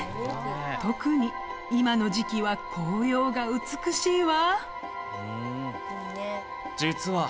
特に今の時季は紅葉が美しいわ！